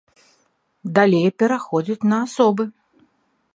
Далей пераходзяць на асобы.